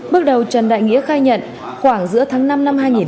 bước đầu trần đại nghĩa khai nhận khoảng giữa tháng năm năm hai nghìn hai mươi ba